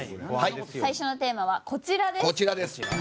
最初のテーマはこちらです。